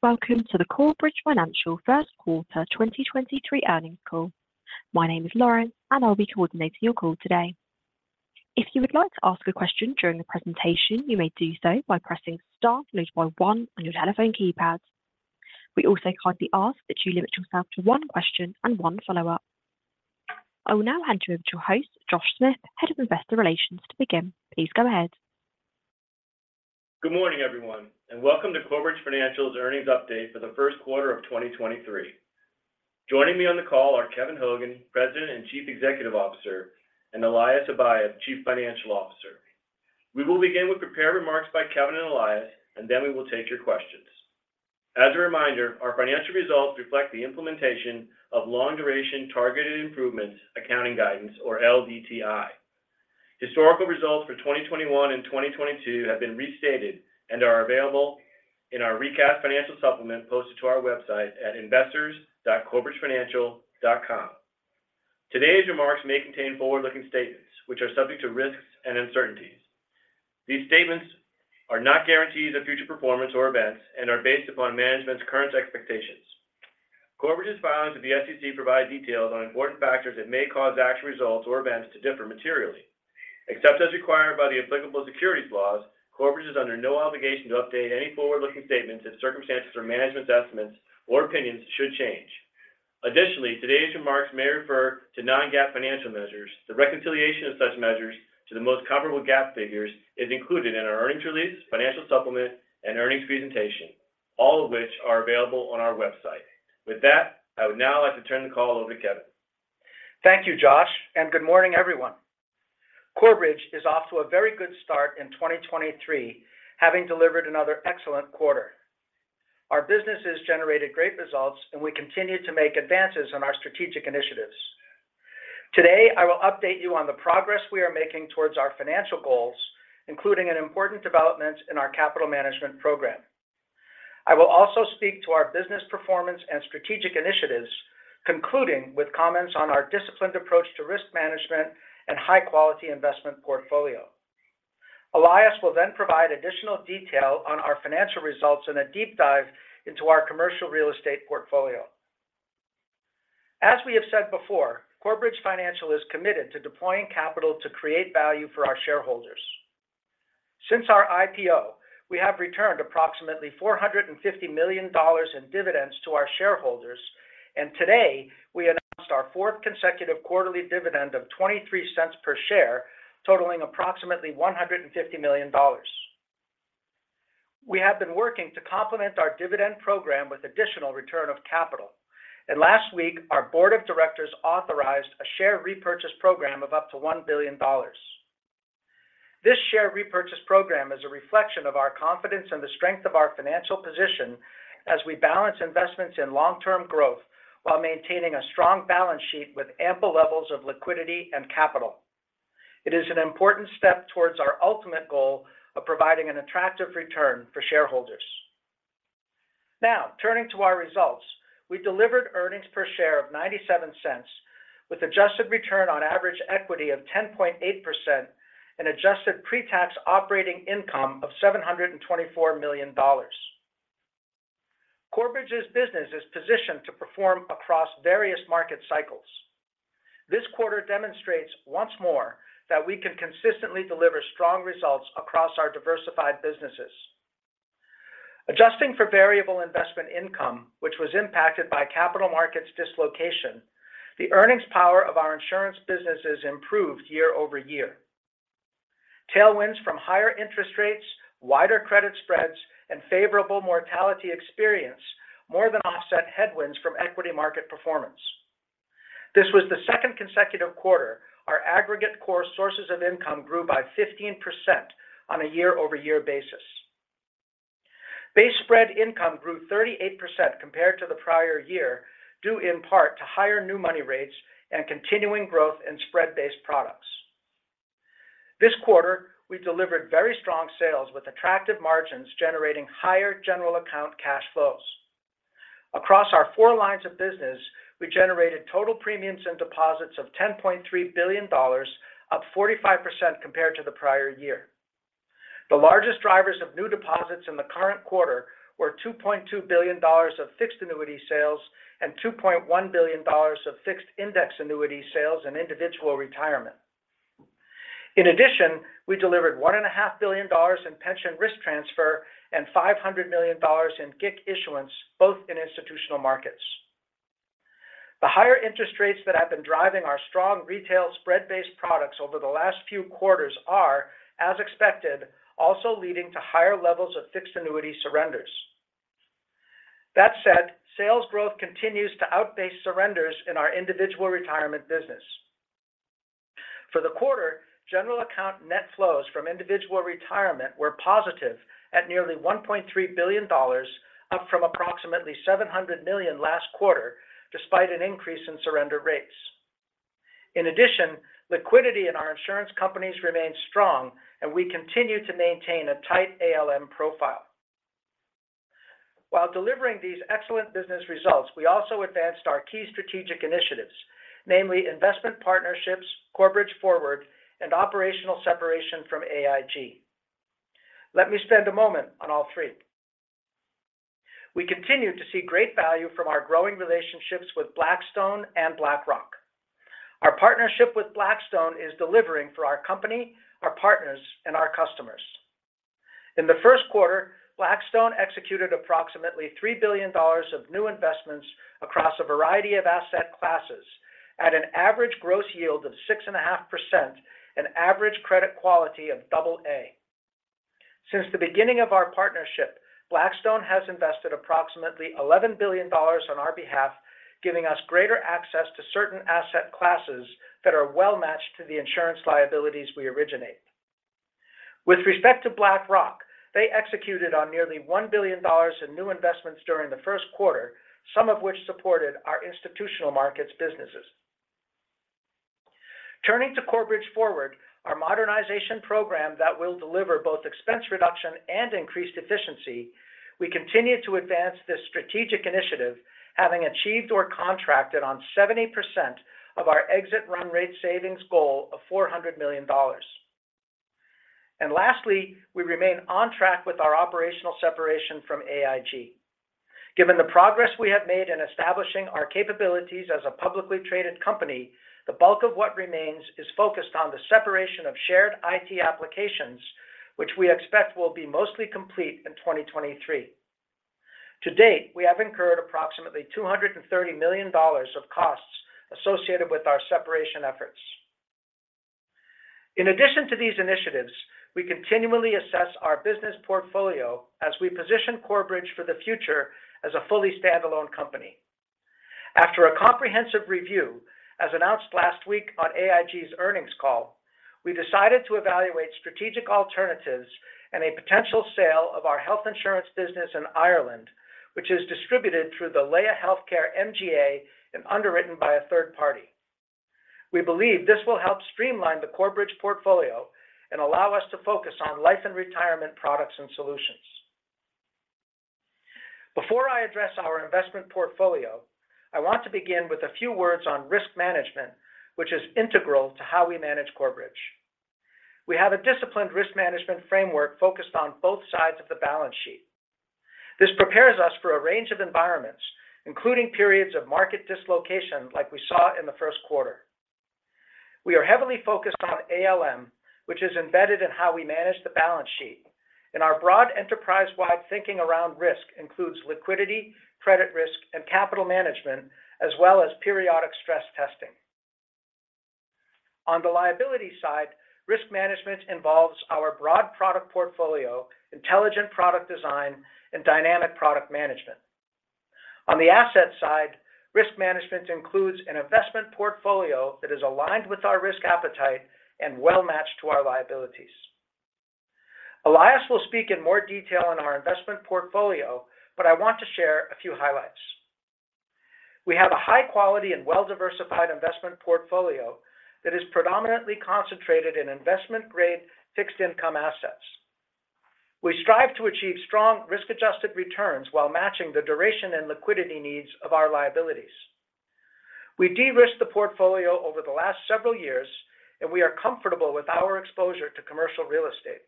Hello, and welcome to the Corebridge Financial Q1 2023 earnings call. My name is Lauren, and I'll be coordinating your call today. If you would like to ask a question during the presentation, you may do so by pressing star followed by one on your telephone keypad. We also kindly ask that you limit yourself to one question and one follow-up. I will now hand you over to your host, Josh Smith, Head of Investor Relations to begin. Please go ahead. Good morning, everyone, welcome to Corebridge Financial's earnings update for the Q1 of 2023. Joining me on the call are Kevin Hogan, President and Chief Executive Officer, and Elias Habayeb, Chief Financial Officer. We will begin with prepared remarks by Kevin and Elias, then we will take your questions. As a reminder, our financial results reflect the implementation of long-duration targeted improvements, accounting guidance, or LDTI. Historical results for 2021 and 2022 have been restated and are available in our recap financial supplement posted to our website at investors.corebridgefinancial.com. Today's remarks may contain forward-looking statements which are subject to risks and uncertainties. These statements are not guarantees of future performance or events and are based upon management's current expectations. Corebridge's filings with the SEC provide details on important factors that may cause actual results or events to differ materially. Except as required by the applicable securities laws, Corebridge is under no obligation to update any forward-looking statements if circumstances or management's estimates or opinions should change. Additionally, today's remarks may refer to non-GAAP financial measures. The reconciliation of such measures to the most comparable GAAP figures is included in our earnings release, financial supplement, and earnings presentation, all of which are available on our website. With that, I would now like to turn the call over to Kevin. Thank you, Josh. Good morning, everyone. Corebridge is off to a very good start in 2023, having delivered another excellent quarter. Our businesses generated great results. We continued to make advances on our strategic initiatives. Today, I will update you on the progress we are making towards our financial goals, including an important development in our capital management program. I will also speak to our business performance and strategic initiatives, concluding with comments on our disciplined approach to risk management and high-quality investment portfolio. Elias will provide additional detail on our financial results in a deep dive into our commercial real estate portfolio. As we have said before, Corebridge Financial is committed to deploying capital to create value for our shareholders. Since our IPO, we have returned approximately $450 million in dividends to our shareholders. Today we announced our fourth consecutive quarterly dividend of $0.23 per share, totaling approximately $150 million. We have been working to complement our dividend program with additional return of capital. Last week our board of directors authorized a share repurchase program of up to $1 billion. This share repurchase program is a reflection of our confidence in the strength of our financial position as we balance investments in long-term growth while maintaining a strong balance sheet with ample levels of liquidity and capital. It is an important step towards our ultimate goal of providing an attractive return for shareholders. Now, turning to our results. We delivered earnings per share of $0.97 with adjusted return on average equity of 10.8% and adjusted pre-tax operating income of $724 million. Corebridge's business is positioned to perform across various market cycles. This quarter demonstrates once more that we can consistently deliver strong results across our diversified businesses. Adjusting for variable investment income, which was impacted by capital markets dislocation, the earnings power of our insurance businesses improved year-over-year. Tailwinds from higher interest rates, wider credit spreads, and favorable mortality experience more than offset headwinds from equity market performance. This was the second consecutive quarter our aggregate core sources of income grew by 15% on a year-over-year basis. Base spread income grew 38% compared to the prior year, due in part to higher new money rates and continuing growth in spread-based products. This quarter, we delivered very strong sales with attractive margins, generating higher general account cash flows. Across our four lines of business, we generated total premiums and deposits of $10.3 billion, up 45% compared to the prior year. The largest drivers of new deposits in the current quarter were $2.2 billion of fixed annuity sales and $2.1 billion of fixed index annuity sales and Individual Retirement. We delivered one and a half billion dollars in pension risk transfer and $500 million in GIC issuance, both in Institutional Markets. The higher interest rates that have been driving our strong retail spread-based products over the last few quarters are, as expected, also leading to higher levels of fixed annuity surrenders. That said, sales growth continues to outpace surrenders in our Individual Retirement business. For the quarter, general account net flows from Individual Retirement were positive at nearly $1.3 billion, up from approximately $700 million last quarter despite an increase in surrender rates. Liquidity in our insurance companies remains strong, and we continue to maintain a tight ALM profile. While delivering these excellent business results, we also advanced our key strategic initiatives. Namely, investment partnerships, Corebridge Forward, and operational separation from AIG. Let me spend a moment on all three. We continue to see great value from our growing relationships with Blackstone and BlackRock. Our partnership with Blackstone is delivering for our company, our partners, and our customers. In the Q1, Blackstone executed approximately $3 billion of new investments across a variety of asset classes at an average gross yield of 6.5%, an average credit quality of double A. Since the beginning of our partnership, Blackstone has invested approximately $11 billion on our behalf, giving us greater access to certain asset classes that are well-matched to the insurance liabilities we originate. With respect to BlackRock, they executed on nearly $1 billion in new investments during the Q1, some of which supported our Institutional Markets businesses. Turning to Corebridge Forward, our modernization program that will deliver both expense reduction and increased efficiency, we continue to advance this strategic initiative, having achieved or contracted on 70% of our exit run rate savings goal of $400 million. Lastly, we remain on track with our operational separation from AIG. Given the progress we have made in establishing our capabilities as a publicly traded company, the bulk of what remains is focused on the separation of shared IT applications, which we expect will be mostly complete in 2023. To date, we have incurred approximately $230 million of costs associated with our separation efforts. In addition to these initiatives, we continually assess our business portfolio as we position Corebridge for the future as a fully standalone company. After a comprehensive review, as announced last week on AIG's earnings call, we decided to evaluate strategic alternatives and a potential sale of our health insurance business in Ireland, which is distributed through the Laya Healthcare MGA and underwritten by a third party. We believe this will help streamline the Corebridge portfolio and allow us to focus on life and retirement products and solutions. Before I address our investment portfolio, I want to begin with a few words on risk management, which is integral to how we manage Corebridge. We have a disciplined risk management framework focused on both sides of the balance sheet. This prepares us for a range of environments, including periods of market dislocation like we saw in the Q1. We are heavily focused on ALM, which is embedded in how we manage the balance sheet. Our broad enterprise-wide thinking around risk includes liquidity, credit risk, and capital management, as well as periodic stress testing. On the liability side, risk management involves our broad product portfolio, intelligent product design, and dynamic product management. On the asset side, risk management includes an investment portfolio that is aligned with our risk appetite and well-matched to our liabilities. Elias will speak in more detail on our investment portfolio. I want to share a few highlights. We have a high-quality and well-diversified investment portfolio that is predominantly concentrated in investment-grade fixed income assets. We strive to achieve strong risk-adjusted returns while matching the duration and liquidity needs of our liabilities. We de-risked the portfolio over the last several years. We are comfortable with our exposure to commercial real estate.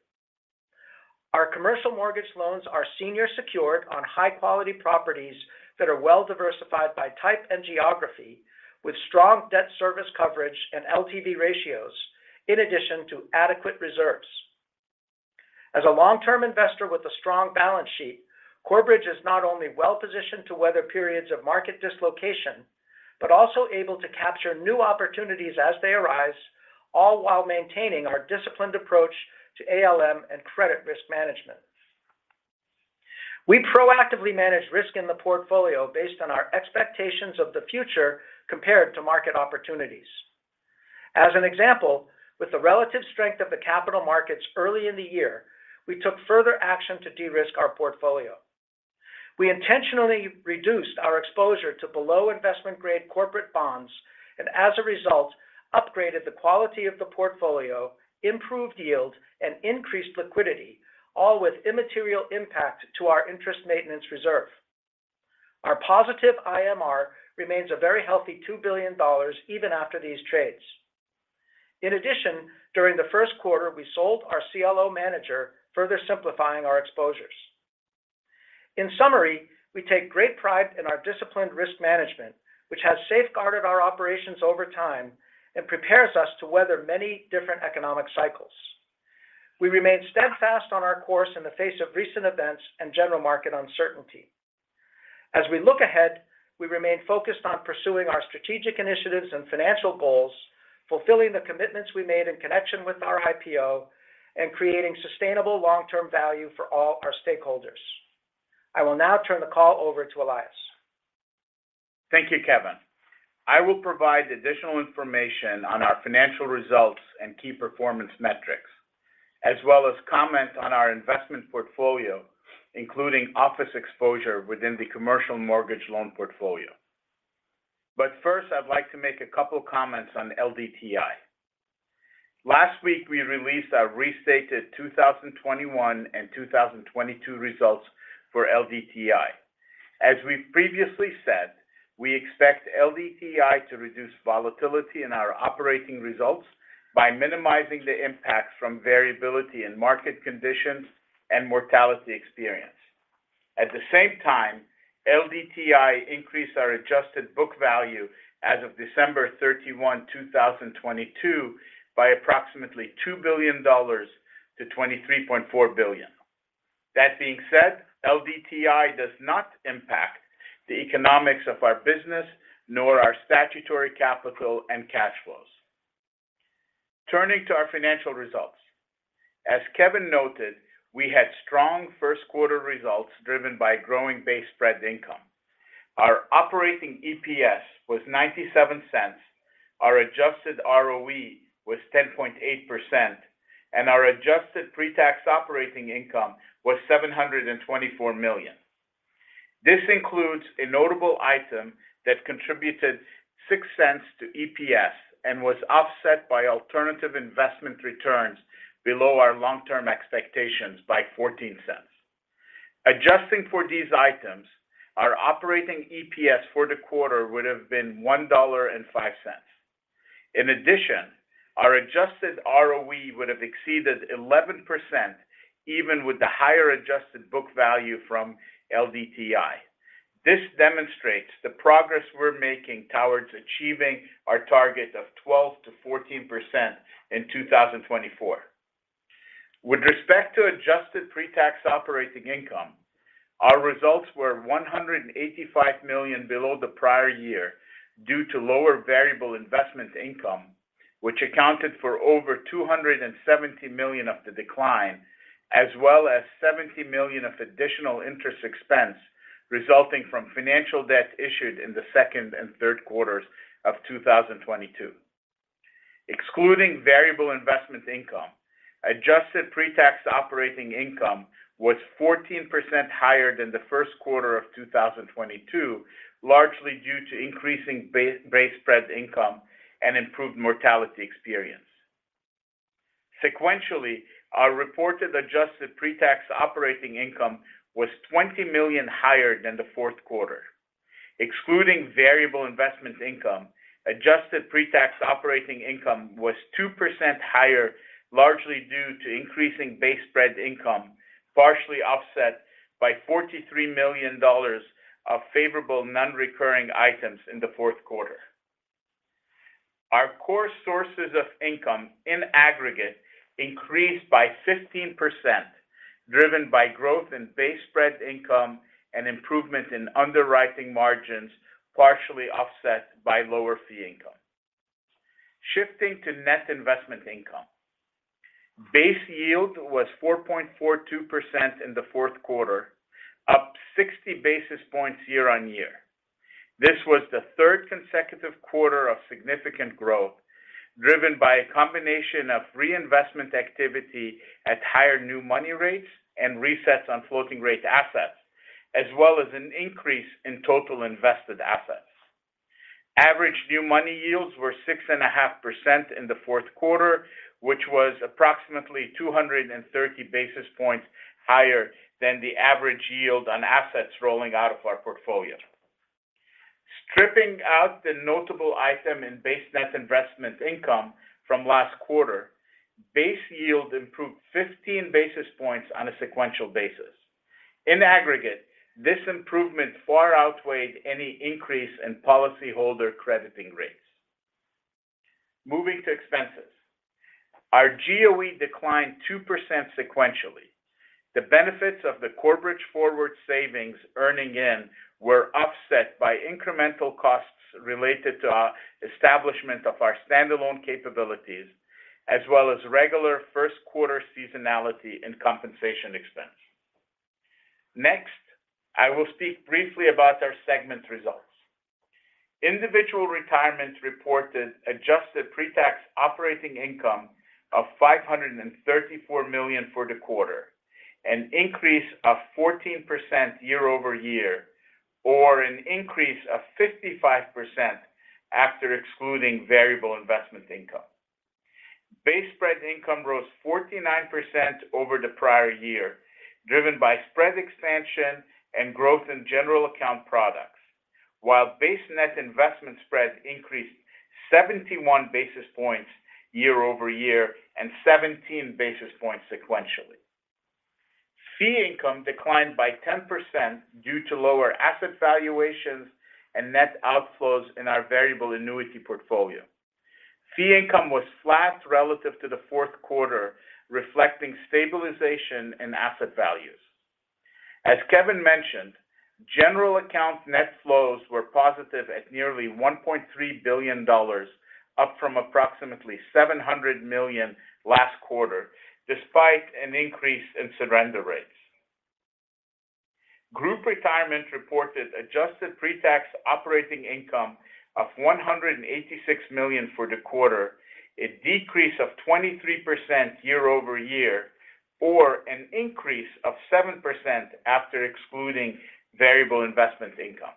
Our commercial mortgage loans are senior secured on high-quality properties that are well-diversified by type and geography, with strong debt service coverage and LTV ratios, in addition to adequate reserves. As a long-term investor with a strong balance sheet, Corebridge is not only well-positioned to weather periods of market dislocation, also able to capture new opportunities as they arise, all while maintaining our disciplined approach to ALM and credit risk management. We proactively manage risk in the portfolio based on our expectations of the future compared to market opportunities. As an example, with the relative strength of the capital markets early in the year, we took further action to de-risk our portfolio. We intentionally reduced our exposure to below investment-grade corporate bonds and as a result, upgraded the quality of the portfolio, improved yield, and increased liquidity, all with immaterial impact to our interest maintenance reserve. Our positive IMR remains a very healthy $2 billion even after these trades. During the Q1, we sold our CLO manager, further simplifying our exposures. We take great pride in our disciplined risk management, which has safeguarded our operations over time and prepares us to weather many different economic cycles. We remain steadfast on our course in the face of recent events and general market uncertainty. As we look ahead, we remain focused on pursuing our strategic initiatives and financial goals, fulfilling the commitments we made in connection with our IPO, and creating sustainable long-term value for all our stakeholders. I will now turn the call over to Elias. Thank you, Kevin. I will provide additional information on our financial results and key performance metrics, as well as comment on our investment portfolio, including office exposure within the commercial mortgage loan portfolio. First, I'd like to make a couple comments on LDTI. Last week, we released our restated 2021 and 2022 results for LDTI. As we've previously said, we expect LDTI to reduce volatility in our operating results by minimizing the impact from variability in market conditions and mortality experience. At the same time, LDTI increased our adjusted book value as of December 31, 2022 by approximately $2 billion to $23.4 billion. That being said, LDTI does not impact the economics of our business nor our statutory capital and cash flows. Turning to our financial results. As Kevin noted, we had strong Q1 results driven by growing base spread income. Our operating EPS was $0.97, our adjusted ROE was 10.8%. Our adjusted pre-tax operating income was $724 million. This includes a notable item that contributed $0.06 to EPS and was offset by alternative investment returns below our long-term expectations by $0.14. Adjusting for these items, our operating EPS for the quarter would have been $1.05. Our adjusted ROE would have exceeded 11% even with the higher adjusted book value from LDTI. This demonstrates the progress we're making towards achieving our target of 12%-14% in 2024. With respect to adjusted pre-tax operating income, our results were $185 million below the prior year due to lower variable investment income, which accounted for over $270 million of the decline, as well as $70 million of additional interest expense resulting from financial debt issued in the second and third quarters of 2022. Excluding variable investment income, adjusted pre-tax operating income was 14% higher than the Q1 of 2022, largely due to increasing base spread income and improved mortality experience. Sequentially, our reported adjusted pre-tax operating income was $20 million higher than the Q4. Excluding variable investment income, adjusted pre-tax operating income was 2% higher, largely due to increasing base spread income, partially offset by $43 million of favorable non-recurring items in the Q4. Our core sources of income in aggregate increased by 15%, driven by growth in base spread income and improvement in underwriting margins, partially offset by lower fee income. Shifting to net investment income. Base yield was 4.42% in the Q4, up 60 basis points year-on-year. This was the third consecutive quarter of significant growth, driven by a combination of reinvestment activity at higher new money rates and resets on floating-rate assets, as well as an increase in total invested assets. Average new money yields were 6.5% in the Q4, which was approximately 230 basis points higher than the average yield on assets rolling out of our portfolio. Stripping out the notable item in base net investment income from last quarter, base yield improved 15 basis points on a sequential basis. In aggregate, this improvement far outweighed any increase in policyholder crediting rates. Moving to expenses. Our GOE declined 2% sequentially. The benefits of the Corebridge Forward savings earning in were offset by incremental costs related to our establishment of our standalone capabilities, as well as regular Q1 seasonality and compensation expense. I will speak briefly about our segment results. Individual Retirement reported adjusted pre-tax operating income of $534 million for the quarter, an increase of 14% year-over-year, or an increase of 55% after excluding variable investment income. Base spread income rose 49% over the prior year, driven by spread expansion and growth in general account products, while base net investment spreads increased 71 basis points year-over-year and 17 basis points sequentially. Fee income declined by 10% due to lower asset valuations and net outflows in our variable annuity portfolio. Fee income was flat relative to the Q4, reflecting stabilization in asset values. As Kevin mentioned, general account net flows were positive at nearly $1.3 billion, up from approximately $700 million last quarter, despite an increase in surrender rates. Group Retirement reported adjusted pre-tax operating income of $186 million for the quarter, a decrease of 23% year-over-year, or an increase of 7% after excluding variable investment income.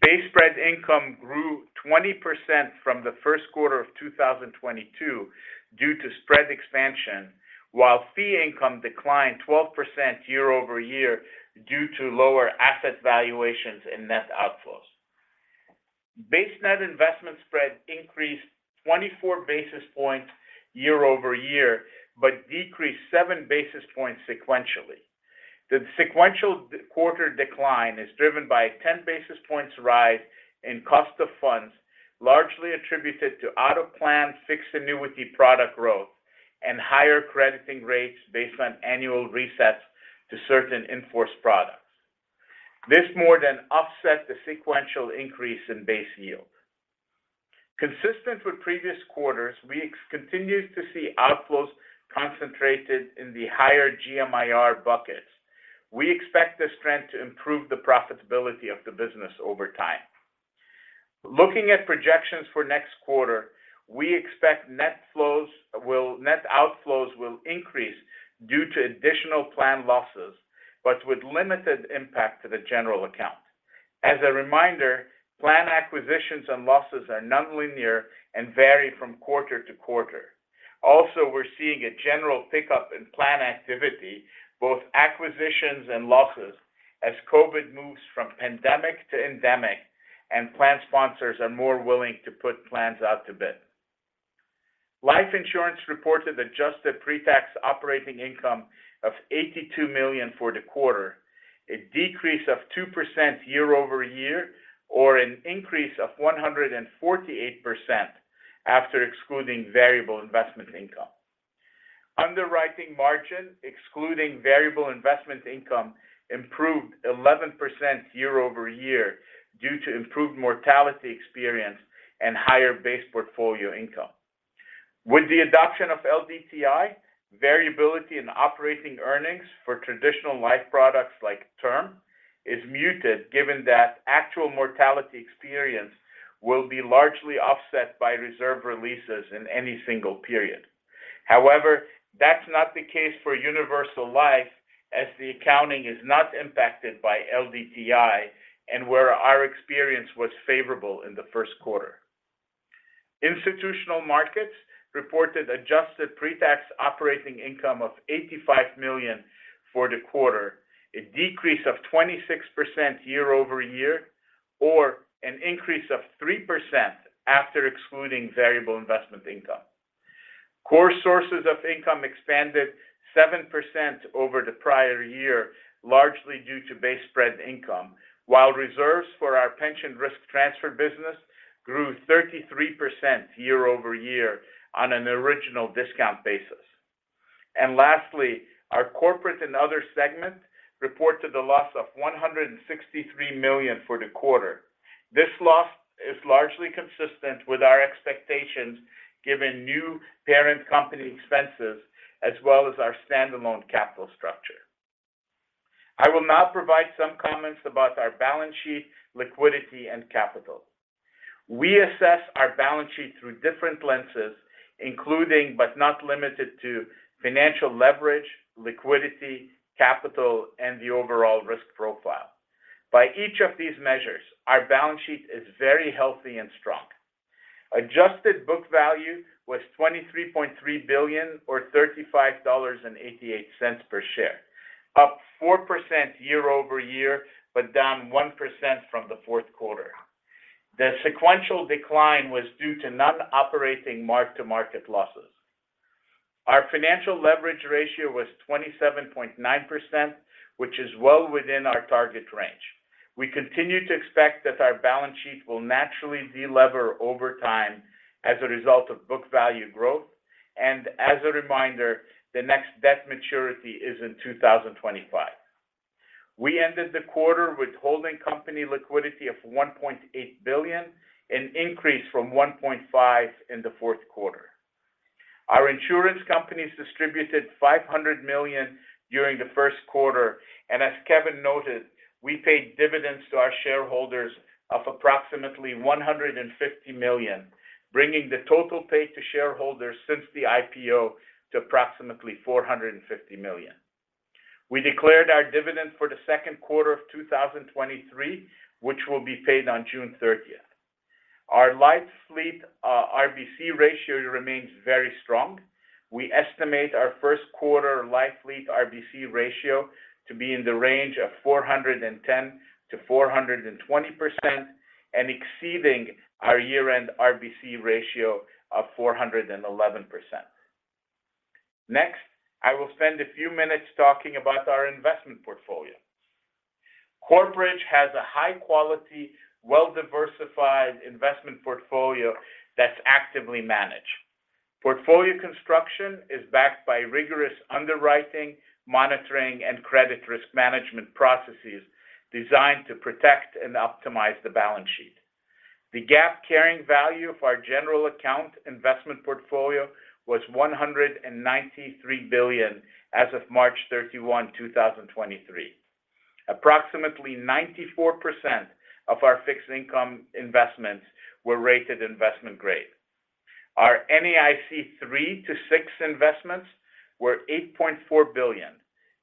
Base spread income grew 20% from the Q1 of 2022 due to spread expansion, while fee income declined 12% year-over-year due to lower asset valuations and net outflows. Base net investment spread increased 24 basis points year-over-year, but decreased 7 basis points sequentially. The sequential quarter decline is driven by a 10 basis points rise in cost of funds, largely attributed to out-of-plan fixed annuity product growth and higher crediting rates based on annual resets to certain in-force products. This more than offset the sequential increase in base yield. Consistent with previous quarters, we continued to see outflows concentrated in the higher GMIR buckets. We expect this trend to improve the profitability of the business over time. Looking at projections for next quarter, we expect net outflows will increase due to additional plan losses, with limited impact to the general account. As a reminder, plan acquisitions and losses are nonlinear and vary from quarter to quarter. We're seeing a general pickup in plan activity, both acquisitions and losses, as COVID moves from pandemic to endemic and plan sponsors are more willing to put plans out to bid. Life Insurance reported adjusted pre-tax operating income of $82 million for the quarter, a decrease of 2% year-over-year or an increase of 148% after excluding variable investment income. Underwriting margin, excluding variable investment income, improved 11% year-over-year due to improved mortality experience and higher base portfolio income. With the adoption of LDTI, variability in operating earnings for traditional life products like term is muted, given that actual mortality experience will be largely offset by reserve releases in any single period. That's not the case for universal life as the accounting is not impacted by LDTI and where our experience was favorable in the Q1. Institutional Markets reported adjusted pre-tax operating income of $85 million for the quarter, a decrease of 26% year-over-year, or an increase of 3% after excluding variable investment income. Core sources of income expanded 7% over the prior year, largely due to base spread income, while reserves for our pension risk transfer business grew 33% year-over-year on an original discount basis. Lastly, our corporate and other segment reported a loss of $163 million for the quarter. This loss is largely consistent with our expectations given new parent company expenses as well as our standalone capital structure. I will now provide some comments about our balance sheet, liquidity, and capital. We assess our balance sheet through different lenses, including but not limited to financial leverage, liquidity, capital, and the overall risk profile. By each of these measures, our balance sheet is very healthy and strong. Adjusted book value was $23.3 billion or $35.88 per share, up 4% year-over-year, but down 1% from the Q4. The sequential decline was due to non-operating mark-to-market losses. Our financial leverage ratio was 27.9%, which is well within our target range. We continue to expect that our balance sheet will naturally de-lever over time as a result of book value growth. As a reminder, the next debt maturity is in 2025. We ended the quarter with holding company liquidity of $1.8 billion, an increase from $1.5 billion in the Q4. Our insurance companies distributed $500 million during the Q1, and as Kevin noted, we paid dividends to our shareholders of approximately $150 million, bringing the total paid to shareholders since the IPO to approximately $450 million. We declared our dividend for the Q2 of 2023, which will be paid on June 30th. Our Life Fleet RBC ratio remains very strong. We estimate our Q1 Life Fleet RBC ratio to be in the range of 410%-420% and exceeding our year-end RBC ratio of 411%. I will spend a few minutes talking about our investment portfolio. Corebridge has a high quality, well-diversified investment portfolio that's actively managed. Portfolio construction is backed by rigorous underwriting, monitoring, and credit risk management processes designed to protect and optimize the balance sheet. The GAAP carrying value of our general account investment portfolio was $193 billion as of March 31, 2023. Approximately 94% of our fixed income investments were rated investment grade. Our NAIC 3-6 investments were $8.4 billion,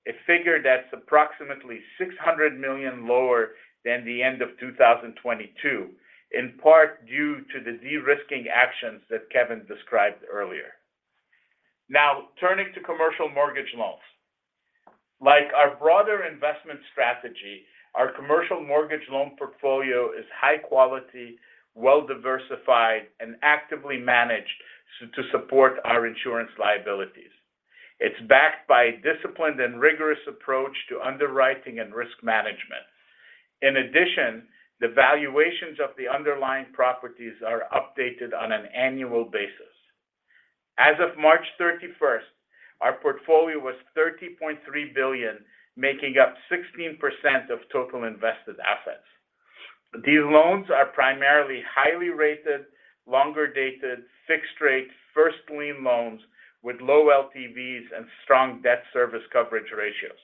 a figure that's approximately $600 million lower than the end of 2022, in part due to the de-risking actions that Kevin described earlier. Turning to commercial mortgage loans. Like our broader investment strategy, our commercial mortgage loan portfolio is high quality, well-diversified, and actively managed to support our insurance liabilities. It's backed by a disciplined and rigorous approach to underwriting and risk management. The valuations of the underlying properties are updated on an annual basis. As of March 31st, our portfolio was $30.3 billion, making up 16% of total invested assets. These loans are primarily highly rated, longer-dated, fixed-rate, first lien loans with low LTVs and strong debt service coverage ratios.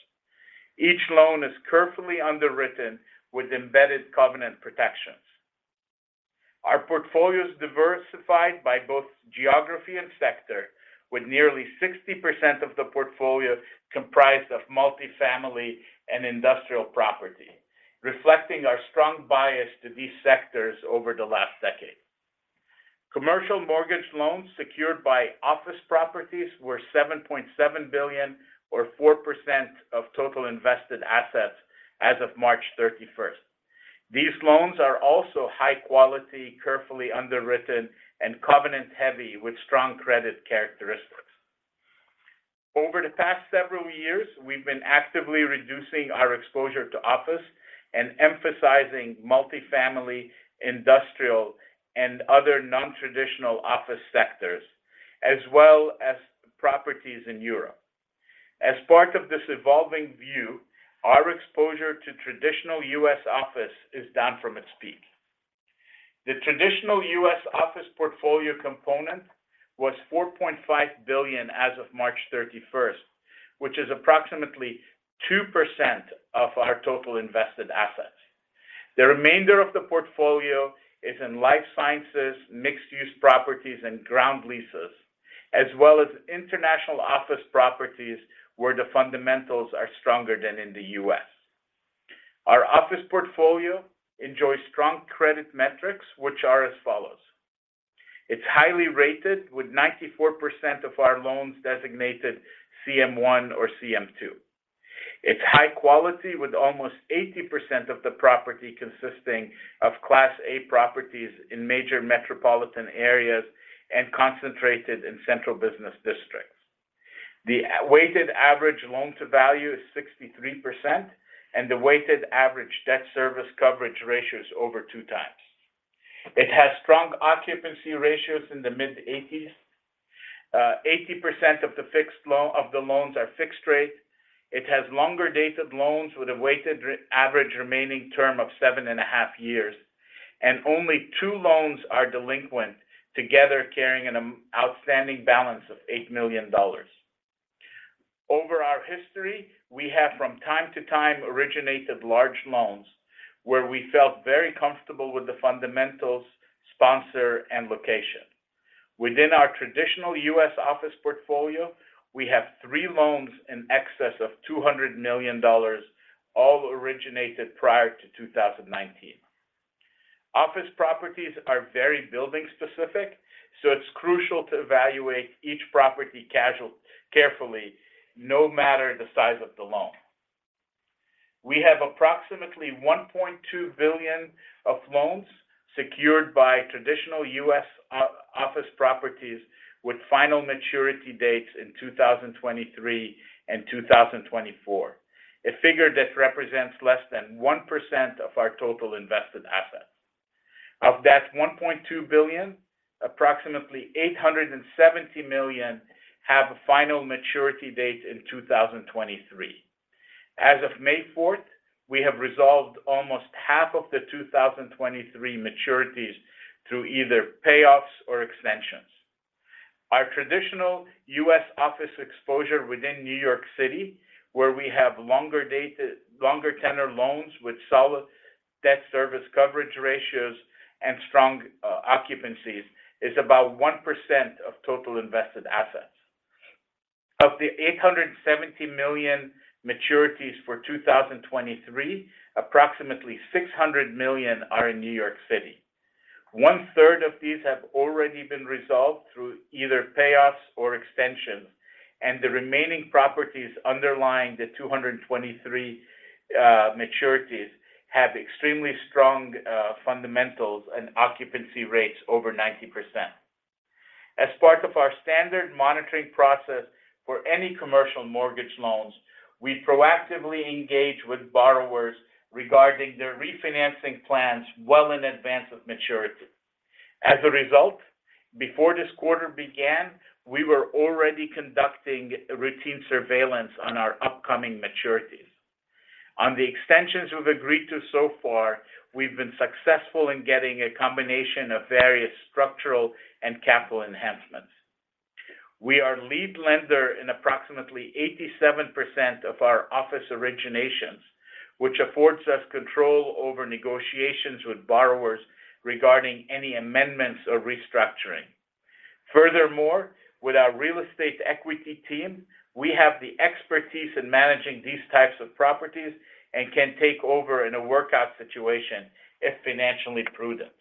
Each loan is carefully underwritten with embedded covenant protections. Our portfolio is diversified by both geography and sector, with nearly 60% of the portfolio comprised of multifamily and industrial property, reflecting our strong bias to these sectors over the last decade. Commercial mortgage loans secured by office properties were $7.7 billion or 4% of total invested assets as of March 31st. These loans are also high quality, carefully underwritten, and covenant-heavy with strong credit characteristics. Over the past several years, we've been actively reducing our exposure to office and emphasizing multifamily, industrial, and other non-traditional office sectors, as well as properties in Europe. As part of this evolving view, our exposure to traditional U.S. office is down from its peak. The traditional U.S. office portfolio component was $4.5 billion as of March 31st, which is approximately 2% of our total invested assets. The remainder of the portfolio is in life sciences, mixed-use properties, and ground leases, as well as international office properties where the fundamentals are stronger than in the U.S. Our office portfolio enjoys strong credit metrics, which are as follows. It's highly rated with 94% of our loans designated CM1 or CM2. It's high quality with almost 80% of the property consisting of Class A properties in major metropolitan areas and concentrated in central business districts. The weighted average loan to value is 63%, and the weighted average debt service coverage ratio is over 2 times. It has strong occupancy ratios in the mid-80s. 80% of the loans are fixed rate. It has longer dated loans with a weighted average remaining term of 7.5 years, and only two loans are delinquent, together carrying an outstanding balance of $8 million. Over our history, we have from time to time originated large loans where we felt very comfortable with the fundamentals, sponsor, and location. Within our traditional U.S. office portfolio, we have three loans in excess of $200 million, all originated prior to 2019. Office properties are very building specific, it's crucial to evaluate each property carefully, no matter the size of the loan. We have approximately $1.2 billion of loans secured by traditional U.S. office properties with final maturity dates in 2023 and 2024, a figure that represents less than 1% of our total invested assets. Of that $1.2 billion, approximately $870 million have a final maturity date in 2023. As of May 4th, we have resolved almost half of the 2023 maturities through either payoffs or extensions. Our traditional U.S. office exposure within New York City, where we have longer tenure loans with solid debt service coverage ratios and strong occupancies, is about 1% of total invested assets. Of the $870 million maturities for 2023, approximately $600 million are in New York City. One third of these have already been resolved through either payoffs or extensions. The remaining properties underlying the 223 maturities have extremely strong fundamentals and occupancy rates over 90%. As part of our standard monitoring process for any commercial mortgage loans, we proactively engage with borrowers regarding their refinancing plans well in advance of maturity. As a result, before this quarter began, we were already conducting routine surveillance on our upcoming maturities. On the extensions we've agreed to so far, we've been successful in getting a combination of various structural and capital enhancements. We are lead lender in approximately 87% of our office originations, which affords us control over negotiations with borrowers regarding any amendments or restructuring. Furthermore, with our real estate equity team, we have the expertise in managing these types of properties and can take over in a workout situation if financially prudent.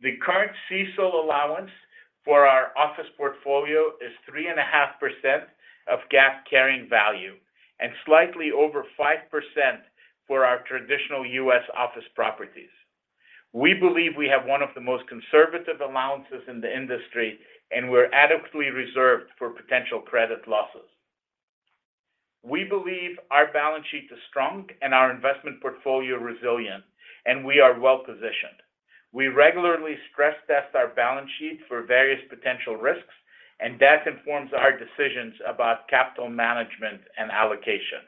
The current CECL allowance for our office portfolio is 3.5% of GAAP carrying value and slightly over 5% for our traditional U.S. office properties. We believe we have one of the most conservative allowances in the industry, and we're adequately reserved for potential credit losses. We believe our balance sheet is strong and our investment portfolio resilient, and we are well-positioned. We regularly stress test our balance sheet for various potential risks, and that informs our decisions about capital management and allocation.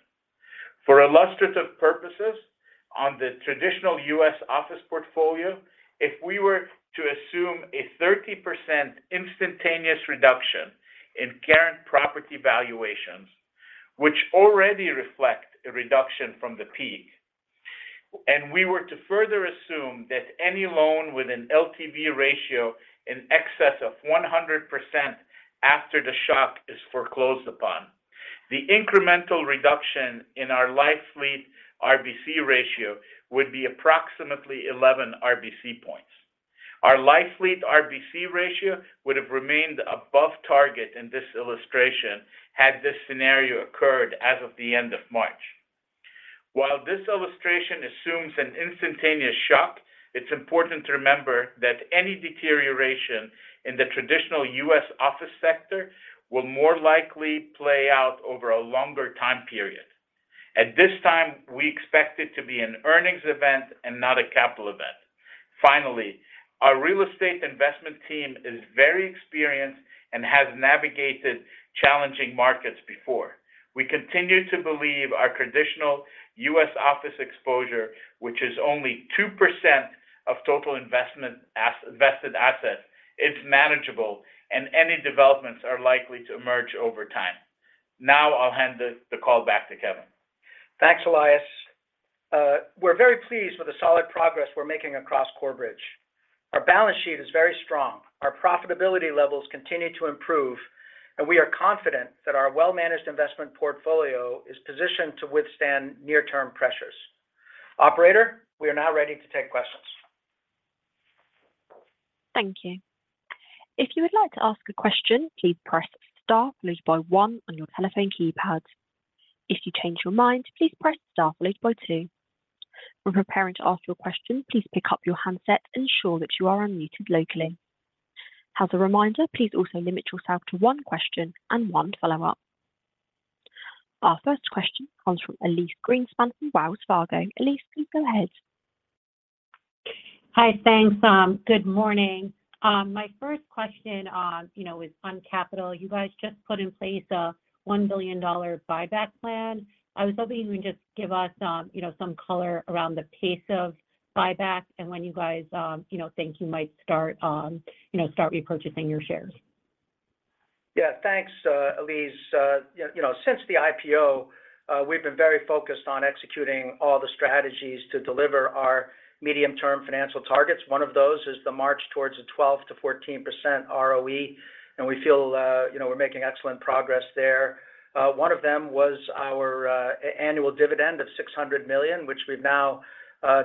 For illustrative purposes on the traditional U.S. office portfolio, if we were to assume a 30% instantaneous reduction in current property valuations, which already reflect a reduction from the peak, and we were to further assume that any loan with an LTV ratio in excess of 100% after the shock is foreclosed upon, the incremental reduction in our Life Fleet RBC ratio would be approximately 11 RBC points. Our Life Fleet RBC ratio would have remained above target in this illustration had this scenario occurred as of the end of March. While this illustration assumes an instantaneous shock, it's important to remember that any deterioration in the traditional U.S. office sector will more likely play out over a longer time period. At this time, we expect it to be an earnings event and not a capital event. Our real estate investment team is very experienced and has navigated challenging markets before. We continue to believe our traditional U.S. office exposure, which is only 2% of total invested assets, is manageable and any developments are likely to emerge over time. I'll hand the call back to Kevin. Thanks, Elias. We're very pleased with the solid progress we're making across Corebridge. Our balance sheet is very strong. Our profitability levels continue to improve, we are confident that our well-managed investment portfolio is positioned to withstand near-term pressures. Operator, we are now ready to take questions. Thank you. If you would like to ask a question, please press star followed by one on your telephone keypad. If you change your mind, please press star followed by two. When preparing to ask your question, please pick up your handset, ensure that you are unmuted locally. As a reminder, please also limit yourself to one question and one follow-up. Our first question comes from Elyse Greenspan from Wells Fargo. Elyse, please go ahead. Hi. Thanks. Good morning. My first question, you know, is on capital. You everyone just put in place a $1 billion buyback plan. I was hoping you can just give us, you know, some color around the pace of buyback and when you guys, you know, think you might start repurchasing your shares. Thanks, Elyse. Since the IPO, we've been very focused on executing all the strategies to deliver our medium-term financial targets. One of those is the march towards the 12%-14% ROE, and we feel, we're making excellent progress there. One of them was our annual dividend of $600 million, which we've now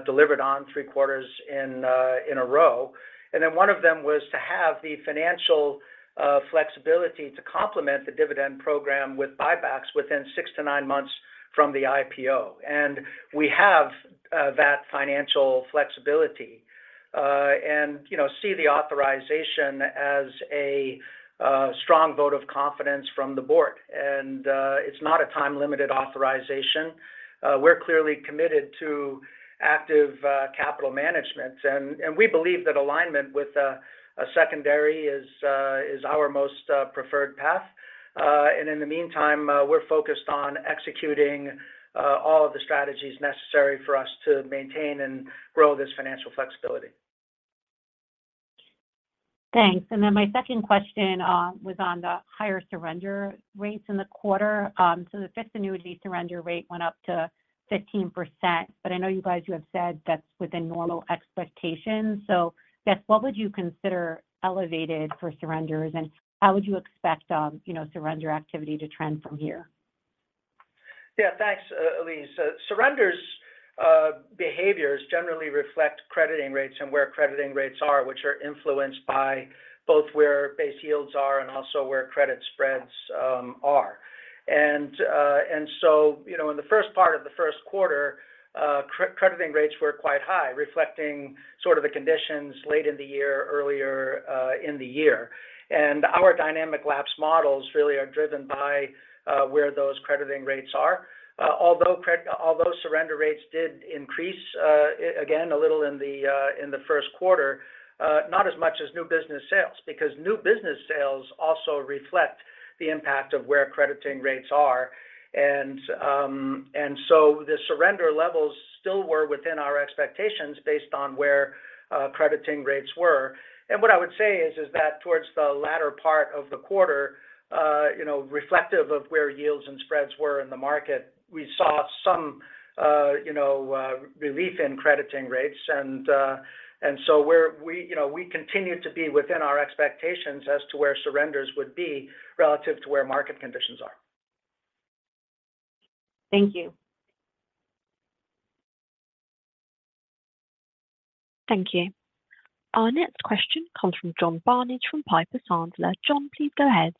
delivered on 3 quarters in a row. Then one of them was to have the financial flexibility to complement the dividend program with buybacks within 6-9 months from the IPO. We have that financial flexibility, and, you know, see the authorization as a strong vote of confidence from the board. It's not a time-limited authorization. We're clearly committed to active capital management. We believe that alignment with a secondary is our most preferred path. In the meantime, we're focused on executing all of the strategies necessary for us to maintain and grow this financial flexibility. Thanks. My second question was on the higher surrender rates in the quarter. The fixed annuity surrender rate went up to 15%, but I know you guys have said that's within normal expectations. I guess, what would you consider elevated for surrenders, and how would you expect, you know, surrender activity to trend from here? Thanks, Elyse. Surrenders, behaviors generally reflect crediting rates and where crediting rates are, which are influenced by both where base yields are and also where credit spreads are. You know, in the first part of the Q1, crediting rates were quite high, reflecting sort of the conditions late in the year, earlier in the year. Our dynamic lapse models really are driven by where those crediting rates are. Although surrender rates did increase again, a little in the Q1, not as much as new business sales, because new business sales also reflect the impact of where crediting rates are. The surrender levels still were within our expectations based on where crediting rates were. What I would say is that towards the latter part of the quarter, you know, reflective of where yields and spreads were in the market, we saw some, you know, relief in crediting rates. We continue to be within our expectations as to where surrenders would be relative to where market conditions are. Thank you. Thank you. Our next question comes from John Barnidge from Piper Sandler. John, please go ahead.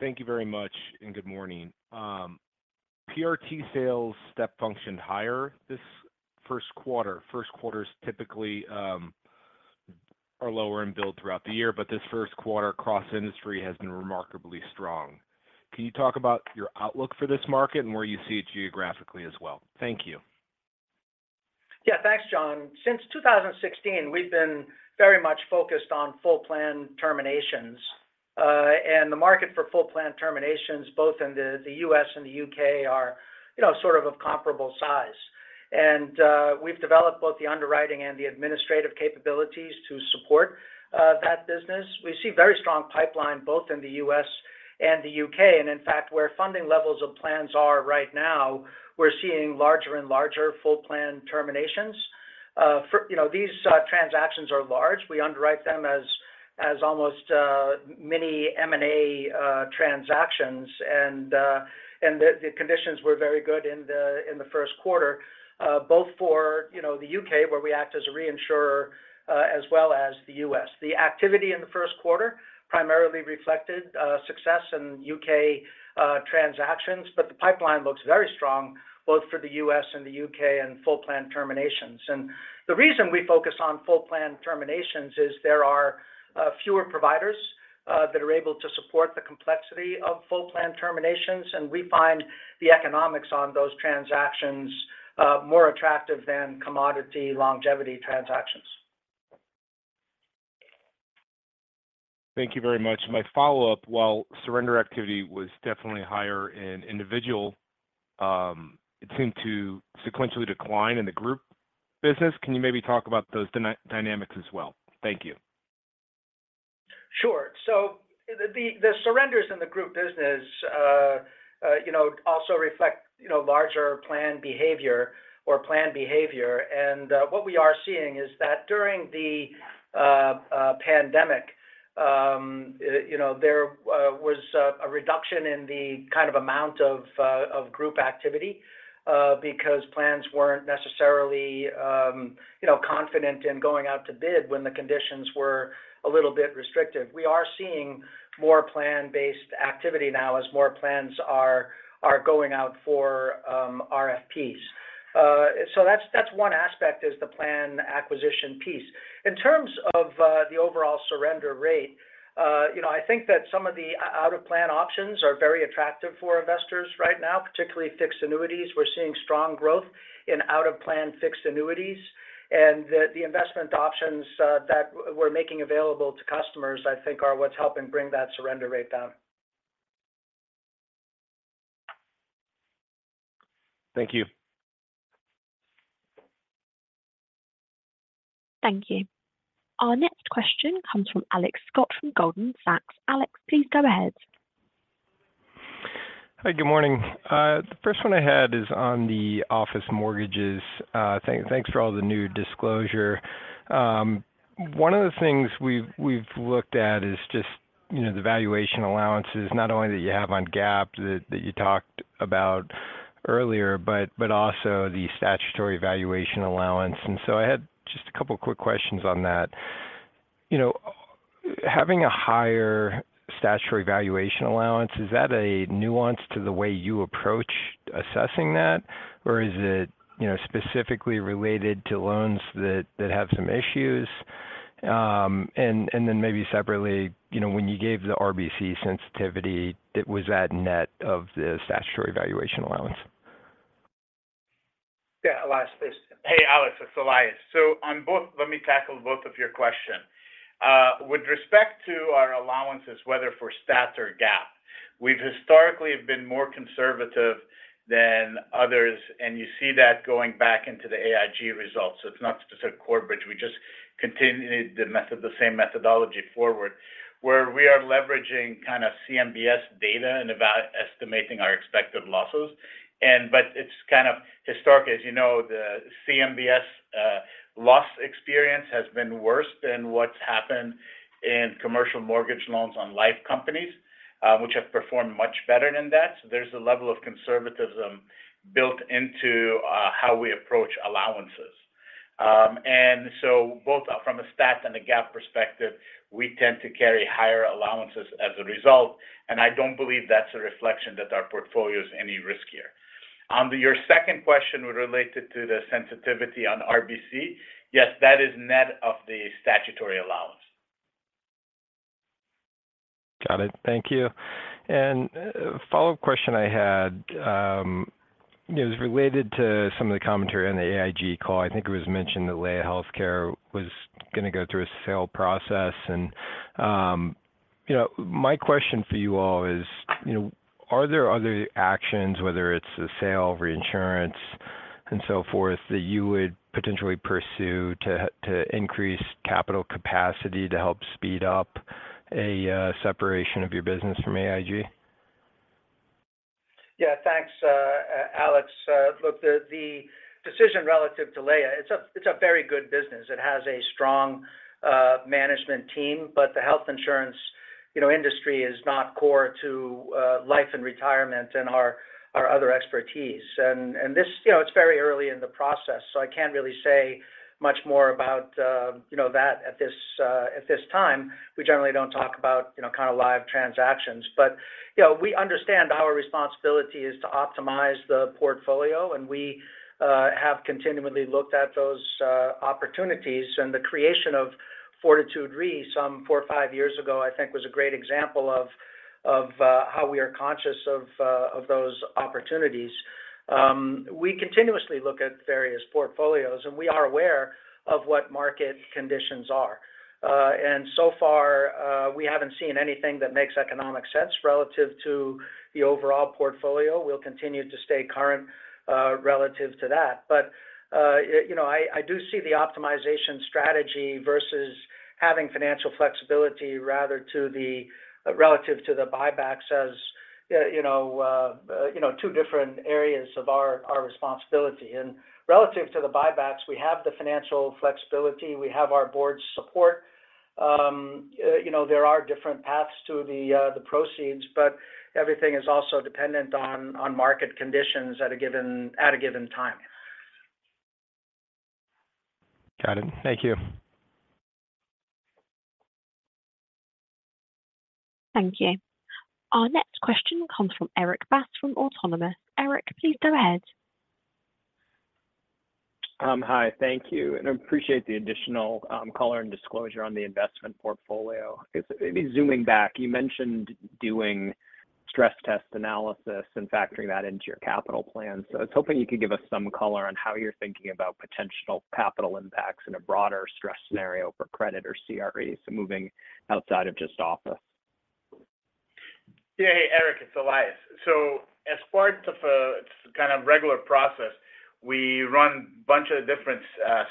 Thank you very much, good morning. PRT sales step functioned higher this Q1. Q1's typically are lower in build throughout the year, this Q1 across industry has been remarkably strong. Can you talk about your outlook for this market and where you see it geographically as well? Thank you. Thanks, John. Since 2016, we've been very much focused on full plan terminations. The market for full plan terminations, both in the U.S. and the U.K. are, you know, sort of comparable size. We've developed both the underwriting and the administrative capabilities to support that business. We see very strong pipeline both in the U.S. and the U.K. In fact, where funding levels of plans are right now, we're seeing larger and larger full plan terminations. You know, these transactions are large. We underwrite them as almost mini M&A transactions. The conditions were very good in the Q1, both for, you know, the U.K., where we act as a reinsurer, as well as the U.S. The activity in the Q1 primarily reflected success in U.K. transactions, but the pipeline looks very strong both for the U.S. and the U.K. in full plan terminations. The reason we focus on full plan terminations is there are fewer providers that are able to support the complexity of full plan terminations, and we find the economics on those transactions more attractive than commodity longevity transactions. Thank you very much. My follow-up, while surrender activity was definitely higher in individual, it seemed to sequentially decline in the group business. Can you maybe talk about those dynamics as well? Thank you. Sure. The surrenders in the group business, you know, also reflect, you know, larger plan behavior or plan behavior. What we are seeing is that during the pandemic, you know, there was a reduction in the kind of amount of group activity because plans weren't necessarily, you know, confident in going out to bid when the conditions were a little bit restrictive. We are seeing more plan-based activity now as more plans are going out for RFPs. So that's one aspect is the plan acquisition piece. In terms of the overall surrender rate, you know, I think that some of the out-of-plan options are very attractive for investors right now, particularly fixed annuities. We're seeing strong growth in out-of-plan fixed annuities. The investment options, that we're making available to customers, I think are what's helping bring that surrender rate down. Thank you. Thank you. Our next question comes from Alex Scott from Goldman Sachs. Alex, please go ahead. Hi, good morning. The first one I had is on the office mortgages. Thanks for all the new disclosure. One of the things we've looked at is just, you know, the valuation allowances, not only that you have on GAAP that you talked about earlier, but also the statutory valuation allowance. I had just a couple of quick questions on that. You know, having a higher statutory valuation allowance, is that a nuance to the way you approach assessing that? Or is it, you know, specifically related to loans that have some issues? Then maybe separately, you know, when you gave the RBC sensitivity, it was at net of the statutory valuation allowance. Elias. Hey, Alex, it's Elias. Let me tackle both of your question. With respect to our allowances, whether for stats or GAAP, we've historically been more conservative than others, and you see that going back into the AIG results. It's not specific to Corebridge. We just continued the same methodology forward, where we are leveraging kind of CMBS data in estimating our expected losses. And but it's kind of historic. As you know, the CMBS loss experience has been worse than what's happened in commercial mortgage loans on life companies, which have performed much better than that. There's a level of conservatism built into how we approach allowances. Both from a stat and a GAAP perspective, we tend to carry higher allowances as a result, and I don't believe that's a reflection that our portfolio is any riskier. On to your second question related to the sensitivity on RBC, yes, that is net of the statutory allowance. Got it. Thank you. A follow-up question I had is related to some of the commentary on the AIG call. I think it was mentioned that Laya Healthcare was gonna go through a sale process. You know, my question for you all is, you know, are there other actions, whether it's the sale, reinsurance, and so forth, that you would potentially pursue to increase capital capacity to help speed up a separation of your business from AIG? Thanks, Alex. Look, the decision relative to Laya, it's a very good business. It has a strong management team. The health insurance, you know, industry is not core to life and retirement and our other expertise. This, you know, it's very early in the process, so I can't really say much more about, you know, that at this time. We generally don't talk about, you know, kind of live transactions. You know, we understand our responsibility is to optimize the portfolio, and we have continually looked at those opportunities. The creation of Fortitude Re some four or five years ago, I think was a great example of how we are conscious of those opportunities. We continuously look at various portfolios, and we are aware of what market conditions are. So far, we haven't seen anything that makes economic sense relative to the overall portfolio. We'll continue to stay current relative to that. You know, I do see the optimization strategy versus having financial flexibility rather to the relative to the buybacks as, you know, two different areas of our responsibility. Relative to the buybacks, we have the financial flexibility, we have our board's support. You know, there are different paths to the proceeds, but everything is also dependent on market conditions at a given time. Got it. Thank you. Thank you. Our next question comes from Erik Bass from Autonomous. Erik, please go ahead. Hi. Thank you, appreciate the additional color and disclosure on the investment portfolio. I guess maybe zooming back, you mentioned doing stress test analysis and factoring that into your capital plan. I was hoping you could give us some color on how you're thinking about potential capital impacts in a broader stress scenario for credit or CREs, moving outside of just office. Erik, it's Elias. As part of a kind of regular process, we run bunch of different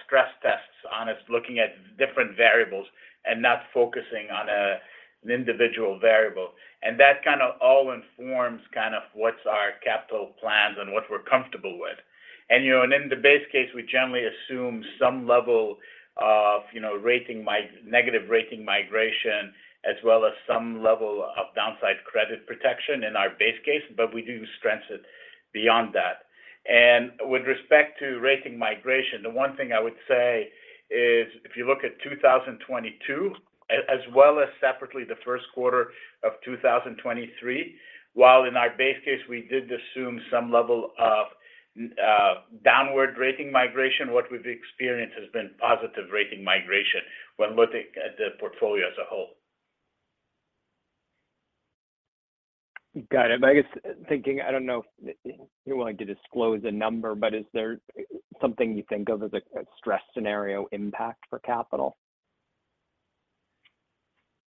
stress tests on it, looking at different variables and not focusing on a, an individual variable. That kind of all informs kind of what's our capital plans and what we're comfortable with. You know, and in the base case, we generally assume some level of, you know, negative rating migration, as well as some level of downside credit protection in our base case, but we do stress it beyond that. With respect to rating migration, the one thing I would say is if you look at 2022 as well as separately the Q1 of 2023, while in our base case we did assume some level of downward rating migration, what we've experienced has been positive rating migration when looking at the portfolio as a whole. Got it. I guess thinking, I don't know if you're willing to disclose a number, but is there something you think of as a stress scenario impact for capital?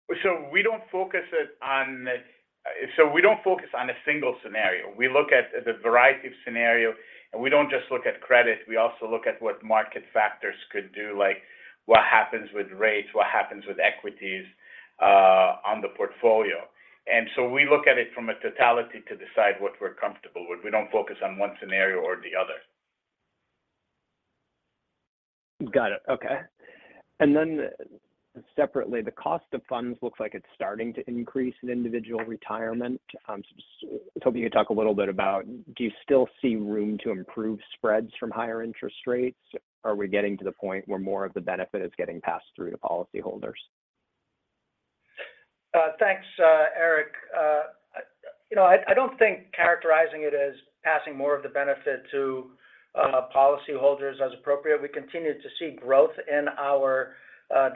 We don't focus on a single scenario. We look at a variety of scenario, and we don't just look at credit, we also look at what market factors could do, like what happens with rates, what happens with equities, on the portfolio. We look at it from a totality to decide what we're comfortable with. We don't focus on one scenario or the other. Got it. Okay. Separately, the cost of funds looks like it's starting to increase in Individual Retirement. Just was hoping you could talk a little bit about do you still see room to improve spreads from higher interest rates? Are we getting to the point where more of the benefit is getting passed through to policyholders? Thanks, Erik. I don't think characterizing it as passing more of the benefit to policyholders as appropriate. We continue to see growth in our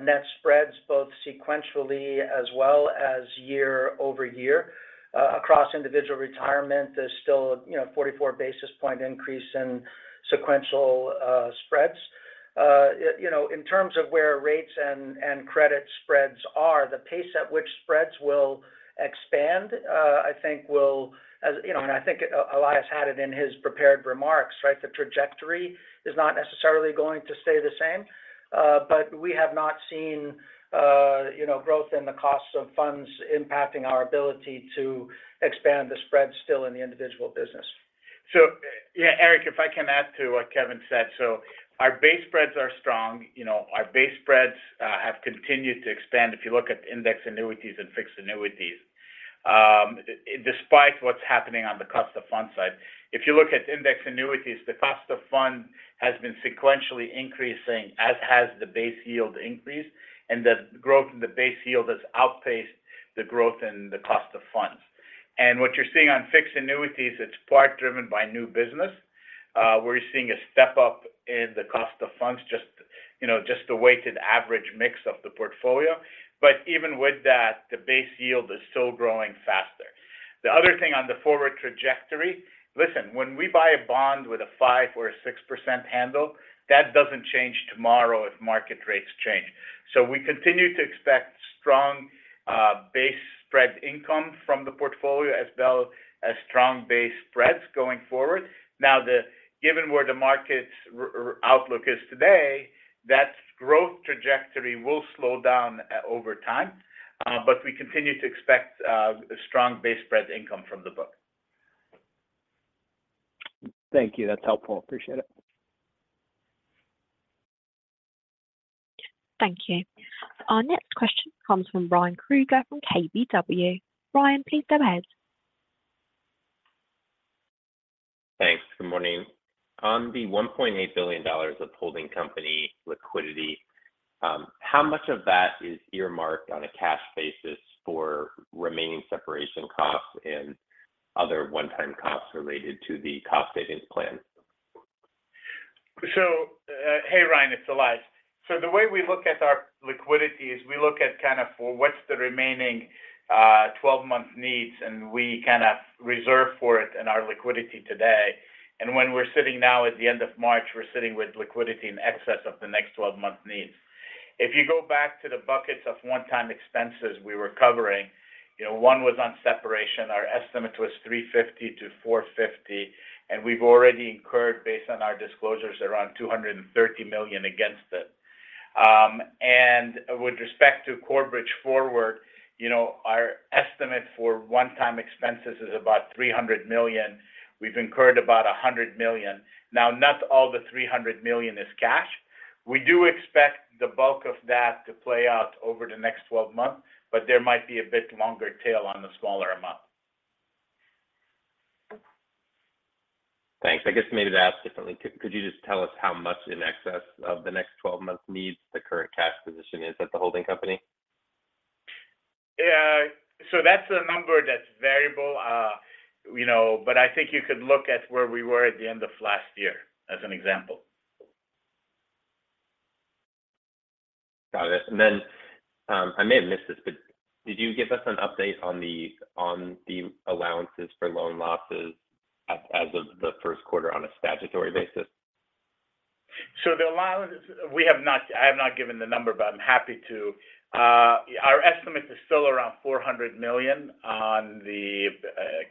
net spreads both sequentially as well as year-over-year. Across Individual Retirement, there's still, 44 basis point increase in sequential spreads. You know, in terms of where rates and credit spreads are, the pace at which spreads will expand, I think will, and I think Elias had it in his prepared remarks, right? The trajectory is not necessarily going to stay the same. We have not seen growth in the cost of funds impacting our ability to expand the spread still in the Individual business. Erik, if I can add to what Kevin said. Our base spreads are strong. You know, our base spreads have continued to expand if you look at index annuities and fixed annuities, despite what's happening on the cost of funds side. If you look at index annuities, the cost of fund has been sequentially increasing, as has the base yield increased, and the growth in the base yield has outpaced the growth in the cost of funds. What you're seeing on fixed annuities, it's part driven by new business, where you're seeing a step up in the cost of funds just, you know, just the weighted average mix of the portfolio. Even with that, the base yield is still growing faster. The other thing on the forward trajectory, listen, when we buy a bond with a 5% or a 6% handle, that doesn't change tomorrow if market rates change. We continue to expect strong base spread income from the portfolio as well as strong base spreads going forward. Given where the market's outlook is today, that growth trajectory will slow down over time. We continue to expect strong base spread income from the book. Thank you. That's helpful. Appreciate it. Thank you. Our next question comes from Ryan Krueger from KBW. Ryan, please go ahead. Thanks. Good morning. On the $1.8 billion of holding company liquidity, how much of that is earmarked on a cash basis for remaining separation costs and other one-time costs related to the cost savings plan? Hey, Ryan, it's Elias. The way we look at our liquidity is we look at kind of what's the remaining 12-month needs, and we kind of reserve for it in our liquidity today. When we're sitting now at the end of March, we're sitting with liquidity in excess of the next 12 months needs. If you go back to the buckets of one-time expenses we were covering, you know, one was on separation. Our estimate was $350 million-$450 million, and we've already incurred, based on our disclosures, around $230 million against it. With respect to Corebridge Forward, you know, our estimate for one-time expenses is about $300 million. We've incurred about $100 million. Not all the $300 million is cash. We do expect the bulk of that to play out over the next 12 months, but there might be a bit longer tail on the smaller amount. Thanks. I guess maybe to ask differently, could you just tell us how much in excess of the next 12 months needs the current cash position is at the holding company? That's a number that's variable, you know, but I think you could look at where we were at the end of last year as an example. Got it. I may have missed this, but did you give us an update on the allowances for loan losses as of the Q1 on a statutory basis? The allowance, I have not given the number, but I'm happy to. Our estimate is still around $400 million on the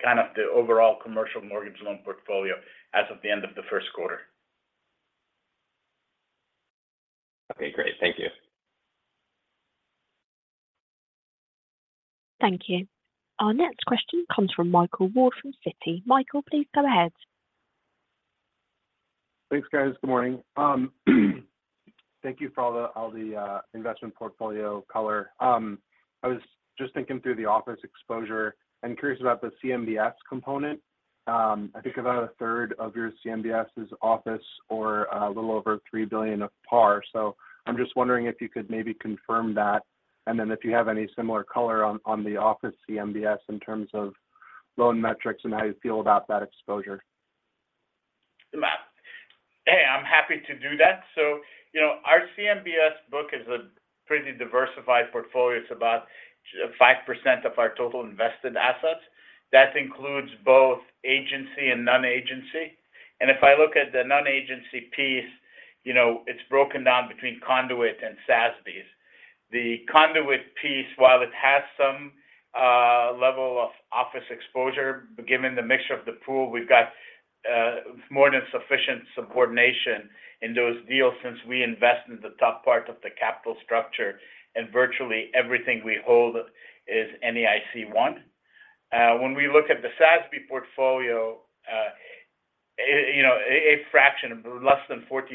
kind of the overall commercial mortgage loan portfolio as of the end of the Q1. Okay, great. Thank you. Thank you. Our next question comes from Michael Ward from Citi. Michael, please go ahead. Thanks, guys. Good morning. Thank you for all the investment portfolio color. I was just thinking through the office exposure. I'm curious about the CMBS component. I think about a third of your CMBS is office or a little over $3 billion of par. I'm just wondering if you could maybe confirm that. Then if you have any similar color on the office CMBS in terms of loan metrics and how you feel about that exposure. Hey, I'm happy to do that. our CMBS book is a pretty diversified portfolio. It's about 5% of our total invested assets. That includes both agency and non-agency. If I look at the non-agency piece, you know, it's broken down between Conduit and SASBs. The Conduit piece, while it has some level of office exposure, given the mixture of the pool, we've got more than sufficient subordination in those deals since we invest in the top part of the capital structure, and virtually everything we hold is NAIC 1. When we look at the SASB portfolio, you know, a fraction, less than 40%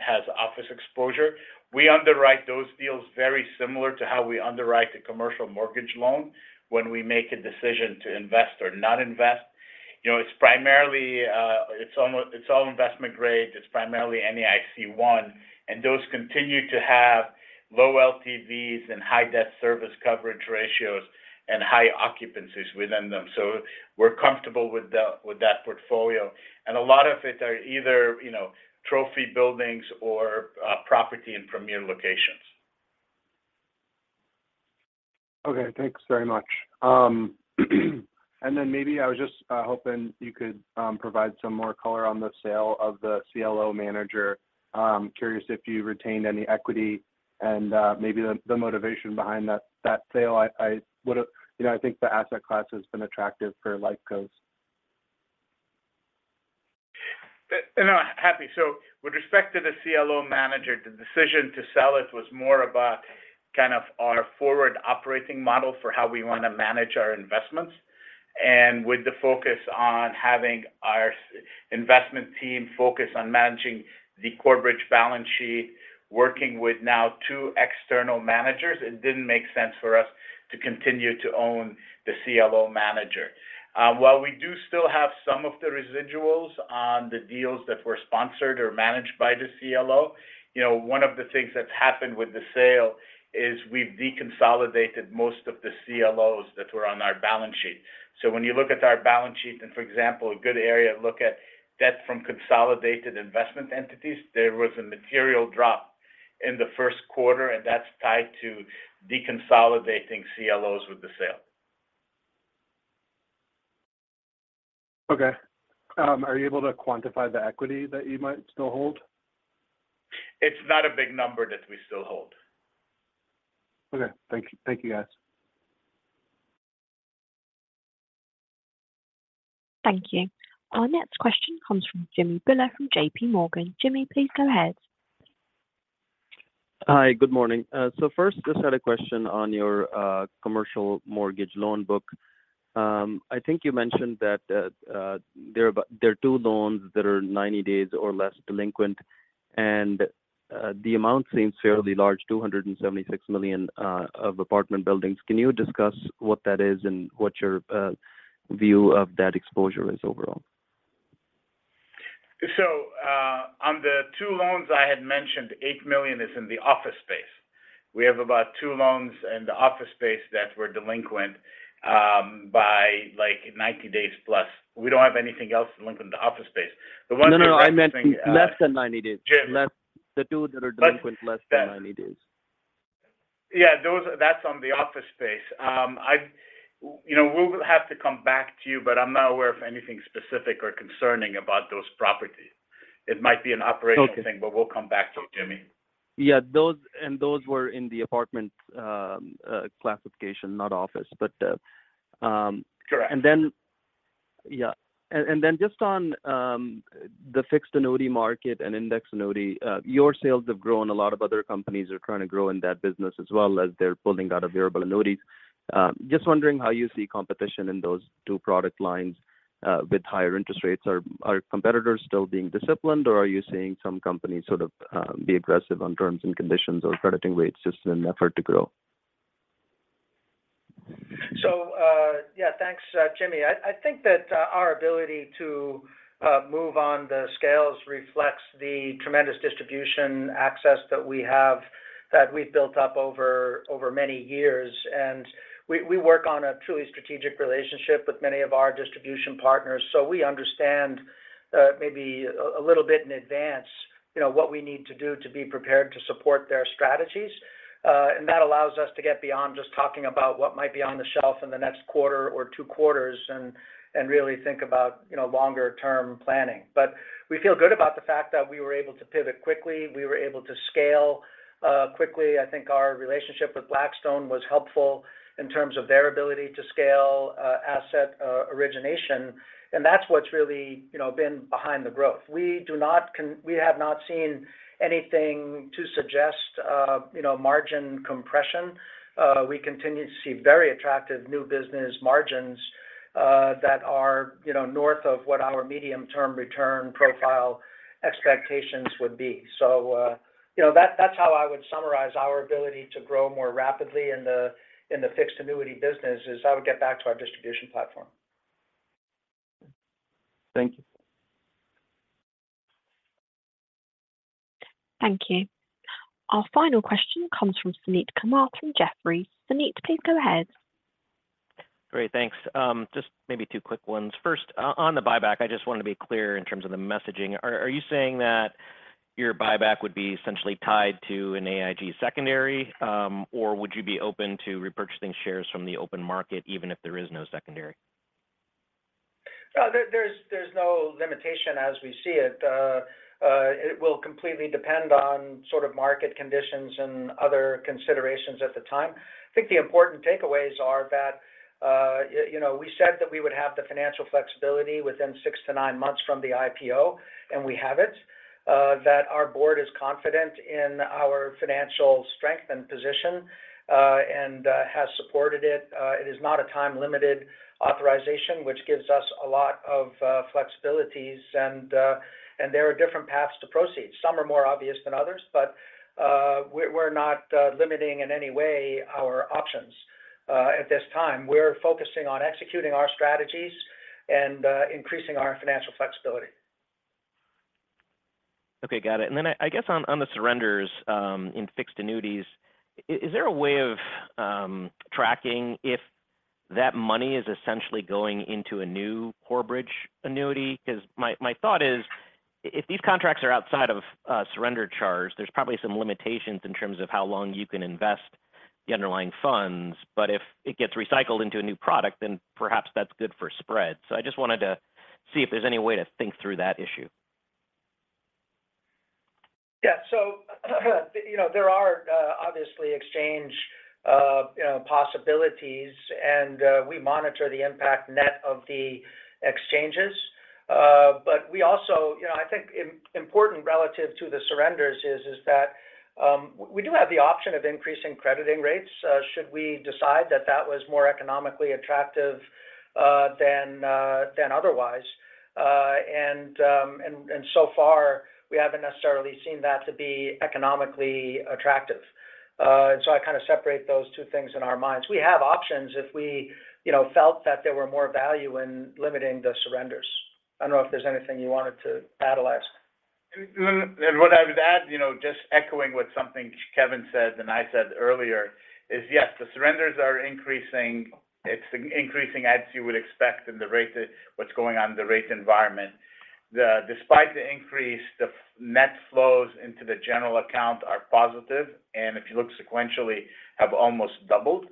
has office exposure. We underwrite those deals very similar to how we underwrite the commercial mortgage loan when we make a decision to invest or not invest. It's primarily, it's all investment grade. It's primarily NAIC 1, those continue to have low LTVs and high debt service coverage ratios and high occupancies within them. We're comfortable with that portfolio. A lot of it are either, you know, trophy buildings or property in premier locations. Okay. Thanks very much. Then maybe I was just hoping you could provide some more color on the sale of the CLO manager. I'm curious if you retained any equity and maybe the motivation behind that sale. I would have. You know, I think the asset class has been attractive for life cos. Happy. With respect to the CLO manager, the decision to sell it was more about kind of our forward operating model for how we want to manage our investments. With the focus on having our investment team focus on managing the Corebridge balance sheet, working with now two external managers, it didn't make sense for us to continue to own the CLO manager. While we do still have some of the residuals on the deals that were sponsored or managed by the CLO, you know, one of the things that's happened with the sale is we've deconsolidated most of the CLOs that were on our balance sheet. When you look at our balance sheet and, for example, a good area to look at debt from consolidated investment entities, there was a material drop in the Q1, and that's tied to deconsolidating CLOs with the sale. Okay. Are you able to quantify the equity that you might still hold? It's not a big number that we still hold. Okay. Thank you. guys. Thank you. Our next question comes from Jimmy Bhullar from J.P. Morgan. Jimmy, please go ahead. Hi. Good morning. First, just had a question on your commercial mortgage loan book. I think you mentioned that there are two loans that are 90 days or less delinquent, and the amount seems fairly large, $276 million of apartment buildings. Can you discuss what that is and what your view of that exposure is overall? On the two loans I had mentioned, $8 million is in the office space. We have about 2 loans in the office space that were delinquent, by, like, 90 days plus. We don't have anything else delinquent in the office space. The ones that are. No, I meant less than 90 days. Jim. The two that are delinquent less than 90 days. That's on the office space. I, you know, we will have to come back to you, but I'm not aware of anything specific or concerning about those properties. It might be an operational thing. Okay. We'll come back to you, Jimmy. Those were in the apartment, classification, not office. Correct. Just on the fixed annuity market and index annuity, your sales have grown. A lot of other companies are trying to grow in that business as well as they're pulling out of variable annuities. Just wondering how you see competition in those two product lines with higher interest rates. Are competitors still being disciplined, or are you seeing some companies sort of be aggressive on terms and conditions or crediting rates just in an effort to grow? Thanks, Jimmy. I think that our ability to move on the scales reflects the tremendous distribution access that we have that we've built up over many years. We, we work on a truly strategic relationship with many of our distribution partners, so we understand maybe a little bit in advance, you know, what we need to do to be prepared to support their strategies. That allows us to get beyond just talking about what might be on the shelf in the next quarter or two quarters and really think about, you know, longer term planning. We feel good about the fact that we were able to pivot quickly, we were able to scale quickly. I think our relationship with Blackstone was helpful in terms of their ability to scale asset origination. That's what's really, you know, been behind the growth. We do not We have not seen anything to suggest, you know, margin compression. We continue to see very attractive new business margins, that are, you know, north of what our medium-term return profile expectations would be. You know, that's how I would summarize our ability to grow more rapidly in the, in the fixed annuity business, is I would get back to our distribution platform. Thank you. Thank you. Our final question comes from Suneet Kamath from Jefferies. Suneet, please go ahead. Great, thanks. Just maybe two quick ones. First, on the buyback, I just wanted to be clear in terms of the messaging. Are you saying that your buyback would be essentially tied to an AIG secondary, or would you be open to repurchasing shares from the open market even if there is no secondary? No, there's no limitation as we see it. It will completely depend on sort of market conditions and other considerations at the time. I think the important takeaways are that, you know, we said that we would have the financial flexibility within 6-9 months from the IPO, and we have it. That our board is confident in our financial strength and position, and has supported it. It is not a time-limited authorization, which gives us a lot of flexibilities and there are different paths to proceed. Some are more obvious than others, but we're not limiting in any way our options at this time. We're focusing on executing our strategies and increasing our financial flexibility. Okay, got it. I guess on the surrenders, in fixed annuities, is there a way of tracking if that money is essentially going into a new Corebridge annuity? My thought is, if these contracts are outside of a surrender charge, there's probably some limitations in terms of how long you can invest the underlying funds. If it gets recycled into a new product, then perhaps that's good for spread. I just wanted to see if there's any way to think through that issue. There are, obviously exchange, you know, possibilities, and we monitor the impact net of the exchanges. We also, you know, I think important relative to the surrenders is that, we do have the option of increasing crediting rates, should we decide that that was more economically attractive, than otherwise. So far we haven't necessarily seen that to be economically attractive. I kind of separate those two things in our minds. We have options if we, you know, felt that there were more value in limiting the surrenders. I don't know if there's anything you wanted to add, Alex. What I would add, you know, just echoing what something Kevin said and I said earlier, is yes, the surrenders are increasing. It's increasing as you would expect in the rate that what's going on in the rate environment. Despite the increase, the net flows into the general account are positive, and if you look sequentially, have almost doubled.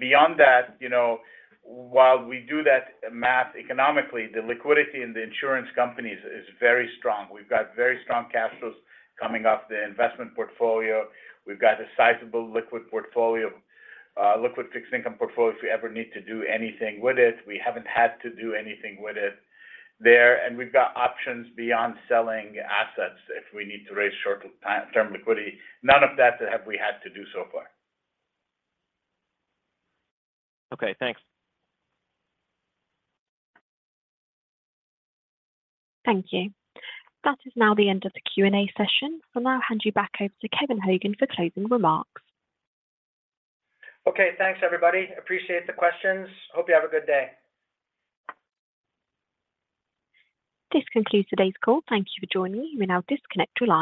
Beyond that, you know, while we do that math economically, the liquidity in the insurance companies is very strong. We've got very strong capitals coming off the investment portfolio. We've got a sizable liquid portfolio, liquid fixed income portfolio if we ever need to do anything with it. We haven't had to do anything with it there. We've got options beyond selling assets if we need to raise short-time term liquidity. None of that have we had to do so far. Okay, thanks. Thank you. That is now the end of the Q&A session. I'll now hand you back over to Kevin Hogan for closing remarks. Okay, thanks everybody. Appreciate the questions. Hope you have a good day. This concludes today's call. Thank you for joining. You may now disconnect your line.